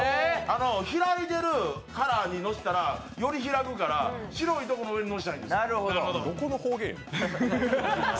開いているカラーにのせたら、より開くから、白いとこの上に乗せたいんですよ。